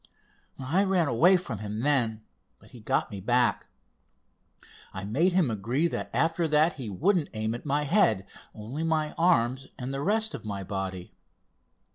I ran away from him then, but he got me back. I made him agree that after that he wouldn't aim at my head, only my arms and the rest of my body.